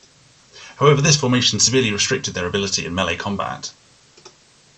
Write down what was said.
However, this formation severely restricted their ability in melee combat.